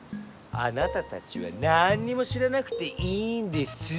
あなたたちはなんにも知らなくていいんですう！